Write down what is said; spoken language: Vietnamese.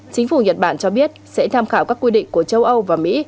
chính phủ nhật bản cho biết sẽ tham khảo các quy định của châu âu và mỹ